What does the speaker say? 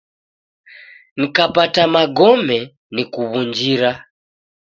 Nkapata magome nukuw'unjira.